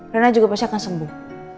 rana juga pasti akan sembuh